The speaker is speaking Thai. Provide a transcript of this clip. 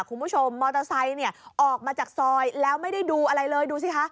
คุณผู้ชมมอเตอร์ไซค์เนี่ยออกมาจากซอยแล้วไม่ได้ดูอะไรเลยดูสิคะ